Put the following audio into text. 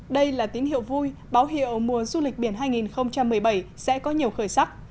đây là tín hiệu vui báo hiệu mùa du lịch biển hai nghìn một mươi bảy sẽ có nhiều khởi sắc